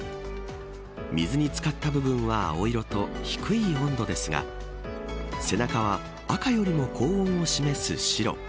水に漬かった部分は青色と低い温度ですが背中は赤よりも高温を示す白。